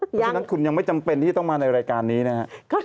เพราะฉะนั้นคุณยังไม่จำเป็นที่จะต้องมาในรายการนี้นะครับ